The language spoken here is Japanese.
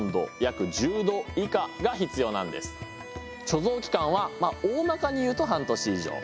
貯蔵期間はおおまかに言うと半年以上。